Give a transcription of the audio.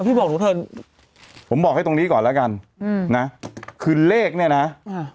พี่บอกหนูเถอะผมบอกให้ตรงนี้ก่อนแล้วกันอืมนะคือเลขเนี้ยนะอ่า